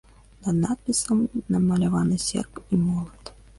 Над надпісам намаляваны серп і молат.